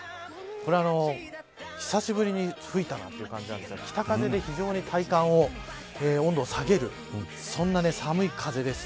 これ久しぶりに吹いたなという感じなんですが北風で非常に体感温度を下げるそんな寒い風です。